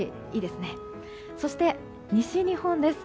そして西日本です。